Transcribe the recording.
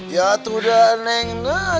ya tuh dah neng